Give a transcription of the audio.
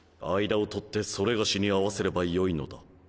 間を取ってそれがしに合わせればよいのだ。